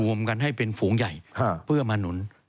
รวมกันให้เป็นฝูงใหญ่เพื่อมาหนุน